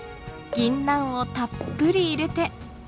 ぎんなんをたっぷり入れて。